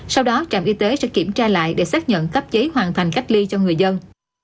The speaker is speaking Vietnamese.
sau đó trạm y tế sẽ kiểm tra lại để xác nhận cấp giấy hoàn thành cách ly cho người dân